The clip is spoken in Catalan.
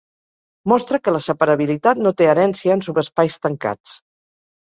Mostra que la separabilitat no té herència en subespais tancats.